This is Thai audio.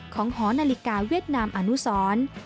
หอนาฬิกาเวียดนามอนุสร